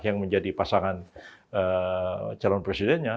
yang menjadi pasangan calon presidennya